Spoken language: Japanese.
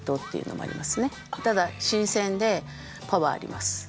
ただ新鮮でパワーあります。